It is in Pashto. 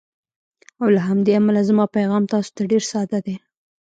او له همدې امله زما پیغام تاسو ته ډېر ساده دی: